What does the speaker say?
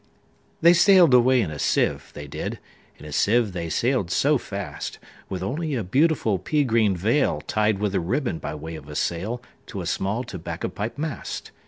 They sail'd away in a sieve, they did, In a sieve they sail'd so fast, With only a beautiful pea green veilTied with a ribbon, by way of a sail, To a small tobacco pipe mast.